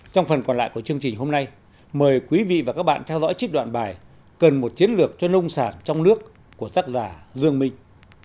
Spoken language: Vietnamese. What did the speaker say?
trong phần còn lại của chương trình hôm nay mời quý vị và các bạn theo dõi trích đoạn bài cần một chiến lược cho nông sản trong nước của tác giả dương minh